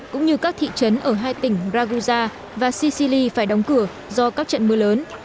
cũng như các thị trấn ở hai tỉnh ragusa và sicily phải đóng cửa do các trận mưa lớn